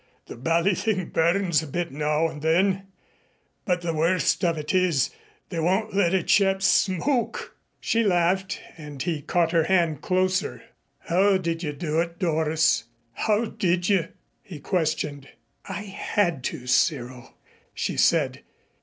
The bally thing burns a bit now and then but the worst of it is, they won't let a chap smoke." She laughed and he caught her hand closer. "How did you do it, Doris? How did you?" he questioned. "I had to, Cyril," she said.